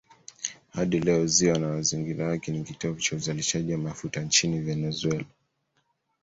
Hadi leo ziwa na mazingira yake ni kitovu cha uzalishaji wa mafuta nchini Venezuela.